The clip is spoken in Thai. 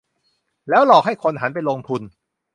แล้วหลอกให้คนหันไปลงทุน